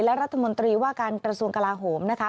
และรัฐมนตรีว่าการกระทรวงกลาโหมนะคะ